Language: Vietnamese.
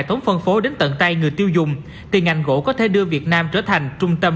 tống phân phối đến tận tay người tiêu dùng từ ngành gỗ có thể đưa việt nam trở thành trung tâm